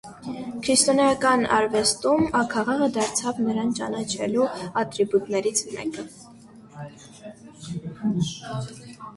Քրիստոնեական արվեստում աքաղաղը դարձավ նրան ճանաչելու ատրիբուտներից մեկը։